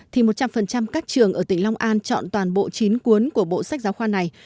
thì một trăm linh các trường ở tỉnh long an chọn toàn bộ chín cuốn của bộ sách giáo khoa này